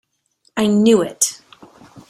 I knew it!